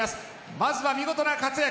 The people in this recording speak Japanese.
まずは見事な活躍